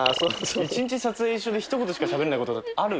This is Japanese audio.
一日撮影一緒でひと言しかしゃべんないことある？